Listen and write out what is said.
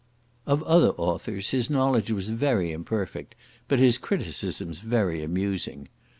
Of other authors his knowledge was very imperfect, but his criticisms very amusing.